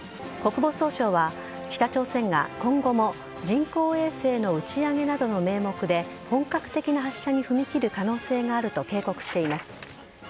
国防総省は北朝鮮が今後も人工衛星の打ち上げなどの名目で本格的な発射に踏み切る可能性があると警告しています。